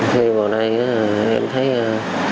thì vào đây em thấy hơi hẳn